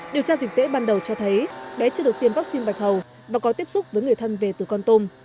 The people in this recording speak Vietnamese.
điều tra dịch tễ ban đầu cho thấy bé chưa được tiêm vaccine bạch hầu và có tiếp xúc với người thân về từ con tôm